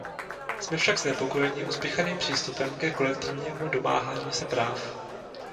Jsme však znepokojeni uspěchaným přístupem ke kolektivnímu domáhání se práv.